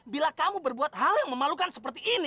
bila kamu berbuat hal yang memalukan seperti ini